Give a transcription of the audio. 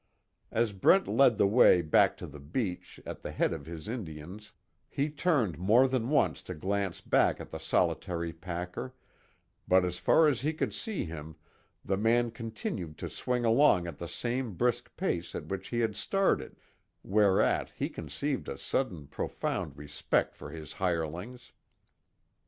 As Brent led the way back to the beach at the head of his Indians he turned more than once to glance back at the solitary packer, but as far as he could see him, the man continued to swing along at the same brisk pace at which he had started, whereat he conceived a sudden profound respect for his hirelings.